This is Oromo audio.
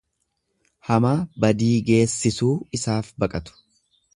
Hamaa badii geessisuu isaaf baqatu.